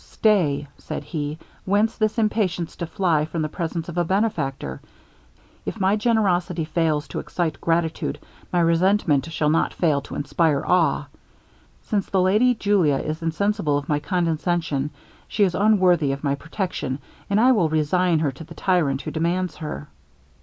'Stay,' said he; 'whence this impatience to fly from the presence of a benefactor? If my generosity fails to excite gratitude, my resentment shall not fail to inspire awe. Since the lady Julia is insensible of my condescension, she is unworthy of my protection, and I will resign her to the tyrant who demands her.'